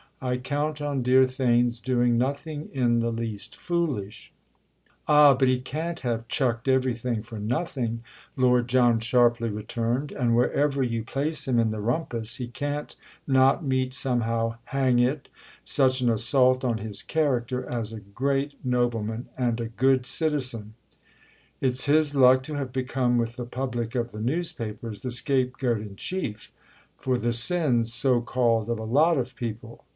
I count on dear Theign's doing nothing in the least foolish—!" "Ah, but he can't have chucked everything for nothing," Lord John sharply returned; "and wherever you place him in the rumpus he can't not meet somehow, hang it, such an assault on his character as a great nobleman and good citizen." "It's his luck to have become with the public of the newspapers the scapegoat in chief: for the sins, so called, of a lot of people!"